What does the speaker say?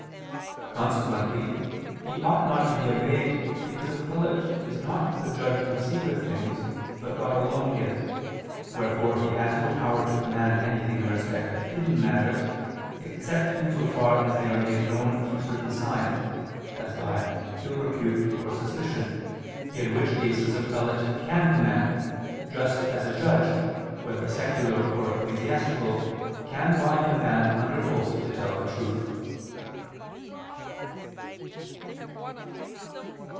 Consequently he ought not to be obeyed, because a prelate is not the judge of secret things, but God alone is, wherefore he has no power to command anything in respect of hidden matters, except in so far as they are made known through certain signs, as by ill repute or suspicion; in which cases a prelate can command just as a judge, whether secular or ecclesiastical, can bind a man under oath to tell the truth.